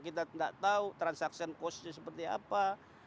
kita tidak tahu transaksi costnya seperti apa